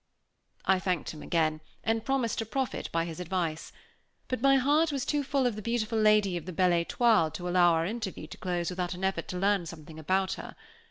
I thanked him again, and promised to profit by his advice. But my heart was too full of the beautiful lady of the Belle Étoile, to allow our interview to close without an effort to learn something about her.